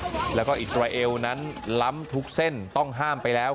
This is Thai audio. ภาพที่คุณผู้ชมเห็นอยู่นี้ครับเป็นเหตุการณ์ที่เกิดขึ้นทางประธานภายในของอิสราเอลขอภายในของปาเลสไตล์นะครับ